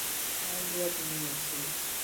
Klein grew up in New York City.